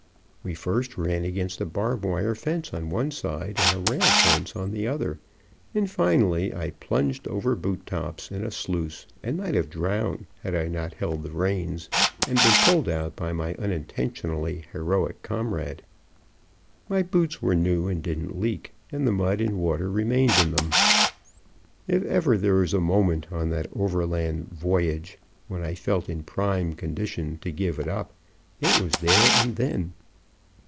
We first ran against a barbed wire fence on one side, and a rail fence on the other, and finally, I plunged over boot tops in a sluice, and might have drowned had I not held the reins and been pulled out by my unintentionally heroic comrade. My boots were new and didn't leak, and the mud and water remained in them. If ever there was a moment on that overland "voyage" when I felt in prime condition to give it up, it was there and then.